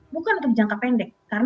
bukan untuk jangka pendek